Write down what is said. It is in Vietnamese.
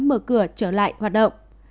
mở cửa trở lại hoạt động